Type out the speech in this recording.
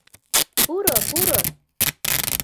Пуро, пуро